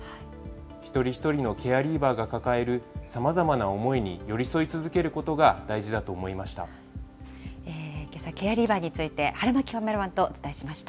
一人一人のケアリーバーが抱えるさまざまな思いに寄り添い続けるけさ、ケアリーバーについて腹巻カメラマンとお伝えしました。